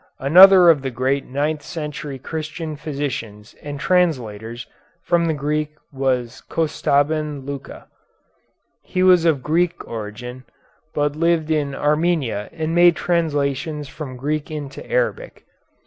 Another of the great ninth century Christian physicians and translators from the Greek was Kostaben Luka. He was of Greek origin, but lived in Armenia and made translations from Greek into Arabic.